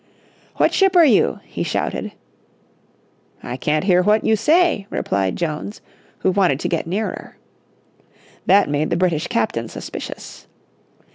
"What ship are you?" he shouted. "I can't hear what you say," replied Jones, who wanted to get nearer. That made the British captain suspicious.